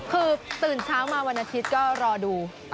คือตื่นเช้ามาวันอาทิตย์ก็รอดู